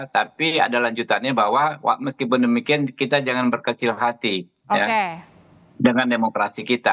tapi ada lanjutannya bahwa meskipun demikian kita jangan berkecil hati dengan demokrasi kita